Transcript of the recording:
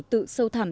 tự sâu thẳm